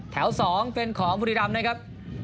แถวสองเป็นขอมธุริรัมณ์นะครับ